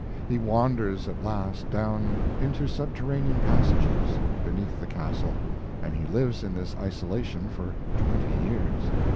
He wanders at last down into subterranean passages beneath the castle, and he lives in this isolation for twenty years.